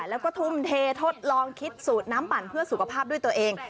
แล้วก็ทุ่มเททดลองคิดสูตรน้ำปั่นเพื่อสุขภาพด้วยตัวเอง